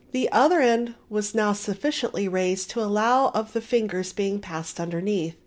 The other end was now sufficiently raised to allow of the fingers being passed underneath.